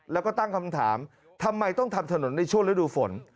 แล้วก็ตั้งคำถามทำไมต้องทำถนนในช่วงฤดูฝน